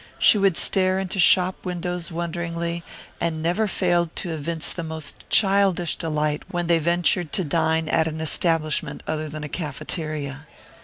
She would stare into shop windows wonderingly, and never failed to evince the most childish delight when they ventured to dine at an establishment other than a cafeteria.